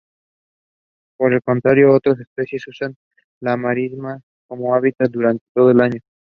Por el contrario, otras especies usan las marismas como hábitat durante todo el año.